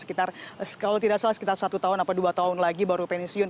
sekitar kalau tidak salah sekitar satu tahun atau dua tahun lagi baru pensiun